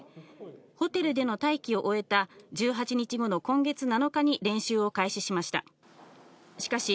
ホテルでの待機を終えた１８日後の今月７日に練習を開始しました。